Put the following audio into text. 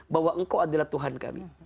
bahwa engkau adalah tuhan kami